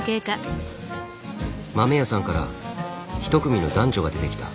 豆屋さんから一組の男女が出てきた。